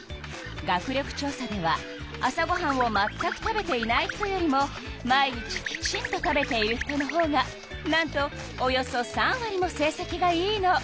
学力調査では朝ごはんをまったく食べていない人よりも毎日きちんと食べている人のほうがなんとおよそ３わりも成績がいいの。